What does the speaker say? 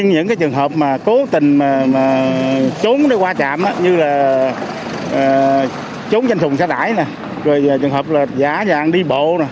những trường hợp cố tình trốn qua trạm như trốn trên trùng xa đải trường hợp giả dạng đi bộ